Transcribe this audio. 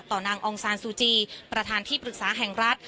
นางองซานซูจีประธานที่ปรึกษาแห่งรัฐ